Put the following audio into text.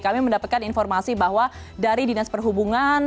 kami mendapatkan informasi bahwa dari dinas perhubungan